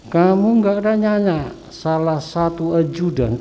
kamu enggak pernah nyanyi salah satu ajudan